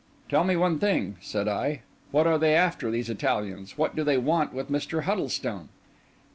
"Tell me one thing," said I. "What are they after, these Italians? What do they want with Mr. Huddlestone?"